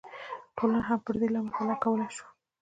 ټولنه هم پر همدې لاره مطالعه کولی شو